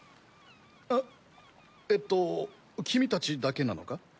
あっえっと君たちだけなのか？